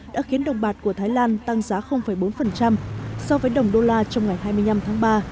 đã khiến đồng bạc của thái lan tăng giá bốn so với đồng đô la trong ngày hai mươi năm tháng ba